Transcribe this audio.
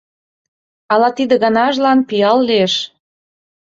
Ала тиде ганажлан пиал лиеш.